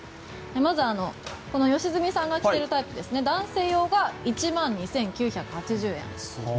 まずこの良純さんが着てるタイプですね男性用が１万２９８０円です。